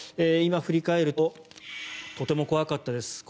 今、振り返るととても怖かったです